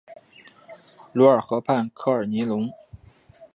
卢尔河畔科尔尼隆。